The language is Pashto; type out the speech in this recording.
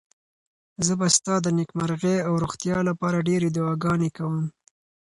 زه به ستا د نېکمرغۍ او روغتیا لپاره ډېرې دعاګانې کوم.